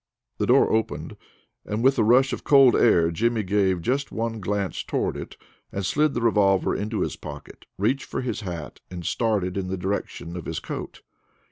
The door opened, and with the rush of cold air Jimmy gave just one glance toward it, and slid the revolver into his pocket, reached for his hat, and started in the direction of his coat.